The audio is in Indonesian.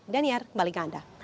daniar kembali ke anda